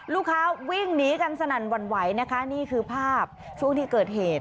ลูกค้าวิ่งหนีกันสนั่นหวั่นไหวนะคะนี่คือภาพช่วงที่เกิดเหตุ